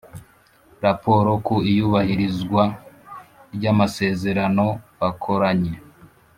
Raporo ku iyubahirizwa ry amasezerano bakoranye